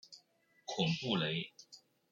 孔布雷。